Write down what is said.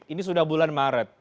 ini sudah bulan maret